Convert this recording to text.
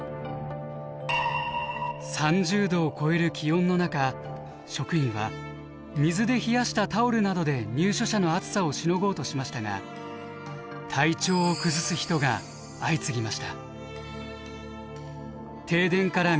３０度を超える気温の中職員は水で冷やしたタオルなどで入所者の暑さをしのごうとしましたが典子さんに熱中症の症状が現れます。